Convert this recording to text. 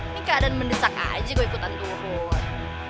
ini keadaan mendesak aja gue ikutan tuhon